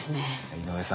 井上さん